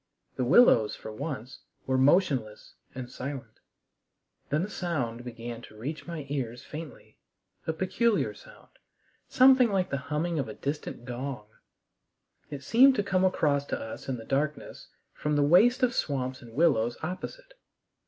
The willows, for once, were motionless and silent. Then a sound began to reach my ears faintly, a peculiar sound something like the humming of a distant gong. It seemed to come across to us in the darkness from the waste of swamps and willows opposite.